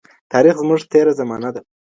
تاریخ زموږ تېره زمانه ده.